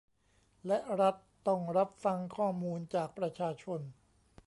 และรัฐต้องรับฟังข้อมูลจากประชาชน